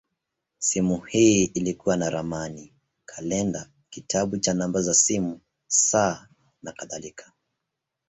Simu hii ilikuwa na ramani, kalenda, kitabu cha namba za simu, saa, nakadhalika.